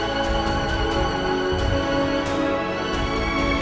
dnuts pakai panjang